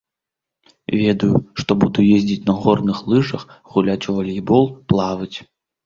Ведаю, што буду ездзіць на горных лыжах, гуляць у валейбол, плаваць.